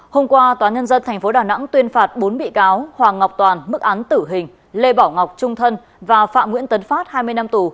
hôm qua tòa nhân dân tp đà nẵng tuyên phạt bốn bị cáo hoàng ngọc toàn mức án tử hình lê bảo ngọc trung thân và phạm nguyễn tấn phát hai mươi năm tù